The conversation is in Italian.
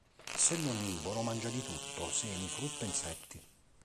Essendo onnivoro, mangia di tutto, semi, frutta, insetti.